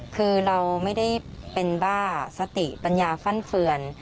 คือเราไม่ได้เป็นบ้าสติปัญญาฟั่นเฟือน